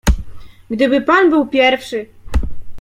"Gdyby pan był pierwszy!"